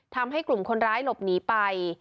ทำให้กลุ่มคนร้ายหลบหนีไป